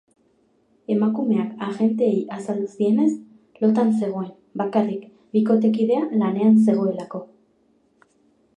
Emakumeak agenteei azaldu zienez, lotan zegoen, bakarrik, bikotekidea lanean zegoelako.